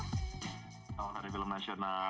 selamat hari film nasional